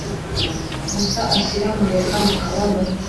gusa ashyira muyaga mu kababaro